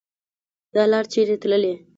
دا لار چیري تللي